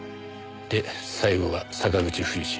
で最後が坂口冬二。